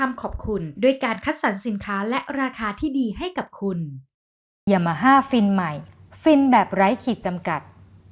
มา๕ฟิล์นใหม่ฟิล์นแบบไร้ขีดจำกัด